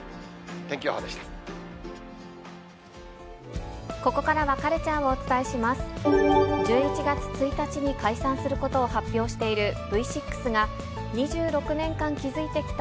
天気予報でした。